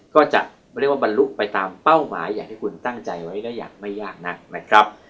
ก็จะเรียกว่าบรรลุไปตามเป้าหมายอย่างที่คุณตั้งใจไว้และอยากไม่ยากนักนะครับ